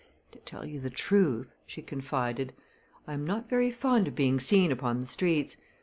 "To tell you the truth," she confided, "I am not very fond of being seen upon the streets.